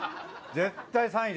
絶対３位！